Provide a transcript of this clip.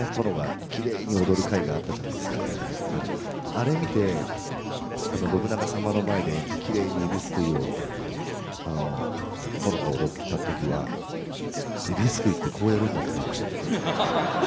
あれ見て信長様の前でキレイにえびすくいを殿が踊った時はえびすくいってこうやるんだと思いました。